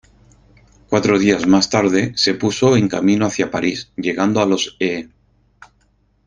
Cuatro días más tarde se puso en camino hacia París, llegando a los Ee.